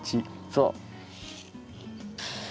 そう。